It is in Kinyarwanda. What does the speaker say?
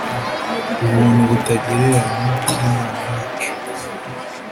ubuntu butagereranywa bw’Imana yacu